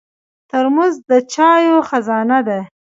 ترموز د چایو خزانه ده.